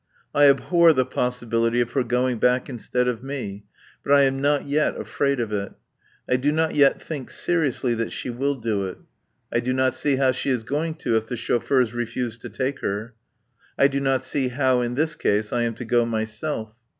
I abhor the possibility of her going back instead of me; but I am not yet afraid of it. I do not yet think seriously that she will do it. I do not see how she is going to, if the chauffeurs refuse to take her. (I do not see how, in this case, I am to go myself.)